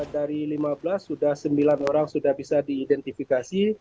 dari lima belas sudah sembilan orang sudah bisa diidentifikasi